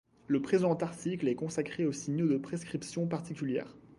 Le présent article est consacré aux signaux de prescriptions particulières.